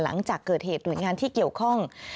หลังจากเกิดเหตุหน่วยงานที่เกี่ยวข้อง